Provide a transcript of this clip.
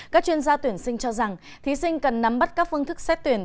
các chuyên gia tuyển sinh cho rằng thí sinh cần nắm bắt các phương thức xét tuyển